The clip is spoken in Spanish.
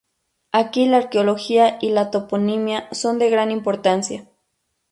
Aquí la arqueología y la toponimia son de gran importancia.